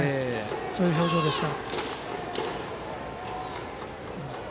そういう表情でした。